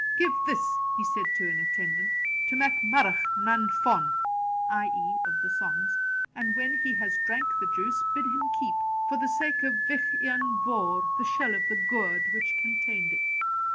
'Give this,' he said to an attendant, 'to Mac Murrough nan Fonn (i.e. of the songs), and when he has drank the juice, bid him keep, for the sake of Vich Ian Vohr, the shell of the gourd which contained it.'